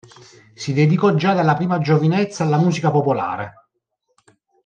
Si dedicò già dalla prima giovinezza alla musica popolare.